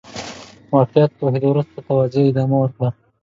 واقعيت پوهېدو وروسته توزيع ادامه ورکړو.